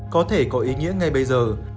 có thể có ý nghĩa ngay bây giờ